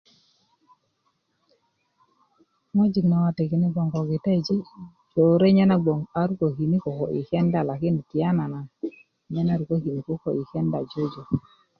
ŋwajik nawate kune bgoŋ ko kitaesi' jore nye gboŋ a rukökini koko i kenda lakini tiyanan nye na rukökini koko i kenda jöjö